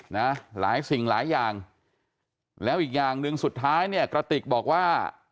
นะหลายสิ่งหลายอย่างแล้วอีกอย่างหนึ่งสุดท้ายเนี่ยกระติกบอกว่า